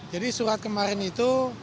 jadi surat kemarin itu